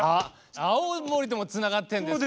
青森ともつながってるんですか？